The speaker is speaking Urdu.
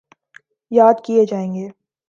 یاد کیے جائیں گے۔